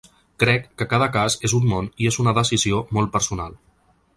Crec que cada cas és un món i és una decisió molt personal.